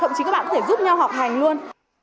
thậm chí các bạn có thể giúp nhau học hành luôn